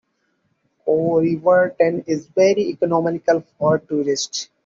Corriverton is very economical for tourists.